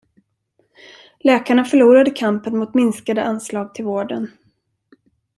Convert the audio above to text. Läkarna förlorade kampen mot minskade anslag till vården.